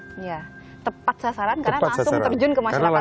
iya tepat sasaran karena langsung terjun ke masyarakat